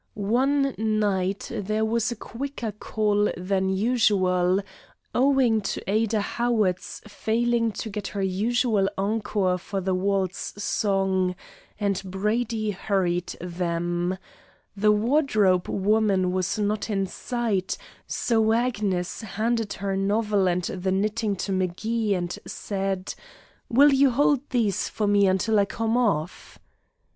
One night there was a quicker call than usual, owing to Ada Howard's failing to get her usual encore for her waltz song, and Brady hurried them. The wardrobe woman was not in sight, so Agnes handed her novel and her knitting to M'Gee and said: "Will you hold these for me until I come off?"